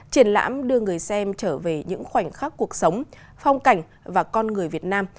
triển lãm đưa người xem trở về những khoảnh khắc cuộc sống phong cảnh và con người việt nam